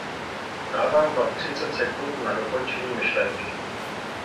Dávám vám třicet sekund na dokončení myšlenky.